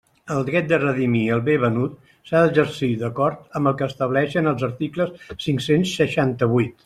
El dret de redimir el bé venut s'ha d'exercir d'acord amb el que estableixen els articles cinc-cents seixanta-vuit.